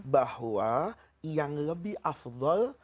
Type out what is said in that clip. bahwa yang lebih afdol